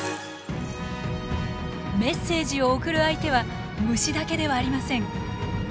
メッセージを送る相手は虫だけではありません。